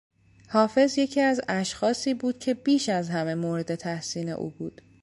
حافظ یکی از اشخاصی بود که بیش از همه مورد تحسین او بود.